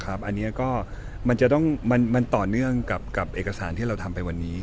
อันนี้ก็มันจะต้องมันต่อเนื่องกับเอกสารที่เราทำไปวันนี้